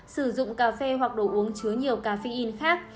sử dụng cà phê hoặc đồ uống chứa nhiều caffeine khác